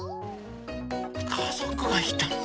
かぞくがいたの？